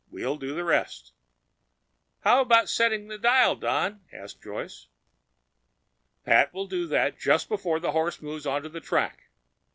We'll do the rest." "How about setting the dial, Don?" asked Joyce. "Pat will do that just before the horses move onto the track.